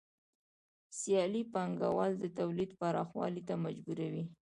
سیالي پانګوال د تولید پراخوالي ته مجبوروي